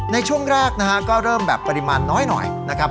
ในช่วงแรกนะฮะก็เริ่มแบบปริมาณน้อยหน่อยนะครับ